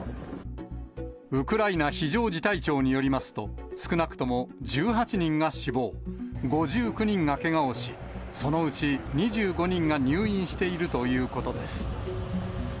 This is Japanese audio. ウクライナ非常事態庁によりますと、少なくとも１８人が死亡、５９人がけがをし、そのうち２５人が入院しているということです。